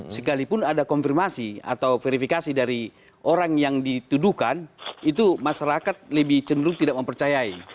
sekalipun ada konfirmasi atau verifikasi dari orang yang dituduhkan itu masyarakat lebih cenderung tidak mempercayai